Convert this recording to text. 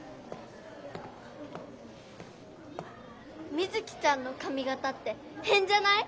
ミズキちゃんのかみがたってへんじゃない？